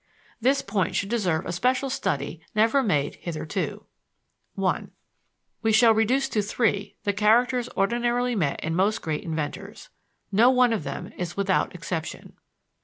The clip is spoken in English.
This point should deserve a special study never made hitherto. I We shall reduce to three the characters ordinarily met in most great inventors. No one of them is without exception.